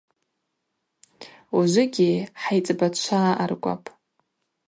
Ужвыгьи хӏайцӏбачва аъаркӏвапӏ.